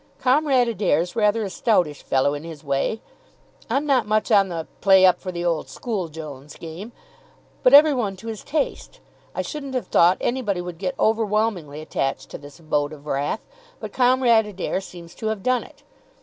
Comrade Adair's rather a stoutish fellow in his way. I'm not much on the 'Play up for the old school, Jones,' game, but every one to his taste. I shouldn't have thought anybody would get overwhelmingly attached to this abode of wrath, but Comrade Adair seems to have done it.